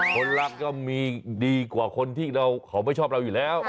คนรักก็มีดีกว่าคนที่เขาไม่ชอบเราอยู่แล้ว